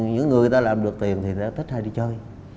những người ta làm được tiền thì tích hay đi chơi